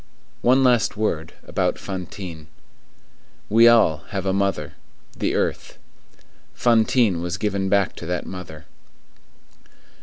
One last word about Fantine. We all have a mother,—the earth. Fantine was given back to that mother.